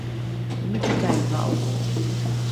omikikai va’oro?